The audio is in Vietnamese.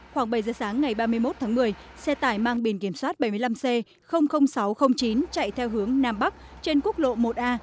khoảng bảy giờ sáng ngày ba mươi một tháng một mươi xe tải mang biển kiểm soát bảy mươi năm c sáu trăm linh chín chạy theo hướng nam bắc trên quốc lộ một a